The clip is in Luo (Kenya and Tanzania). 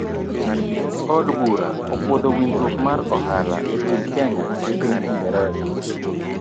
Od bura opuodho winjruok mar ohala ekind kenya gi piny ingereza.